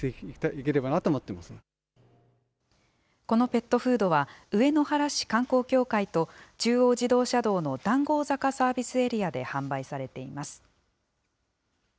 このペットフードは、上野原市観光協会と、中央自動車道の談合坂サービスエリアで販売されています。